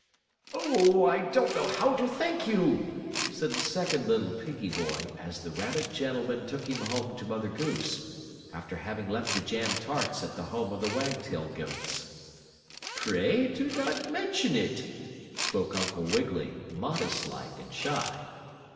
"Oh, I don't know how to thank you," said the second little piggie boy as the rabbit gentleman took him home to Mother Goose, after having left the jam tarts at the home of the Wagtail goats. "Pray do not mention it," spoke Uncle Wiggily, modest like, and shy.